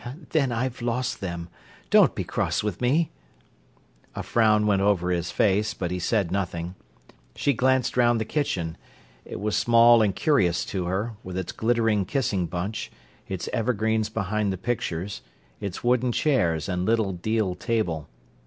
"Then I've lost them. Don't be cross with me." A frown went over his face, but he said nothing. She glanced round the kitchen. It was small and curious to her, with its glittering kissing bunch, its evergreens behind the pictures, its wooden chairs and little deal table.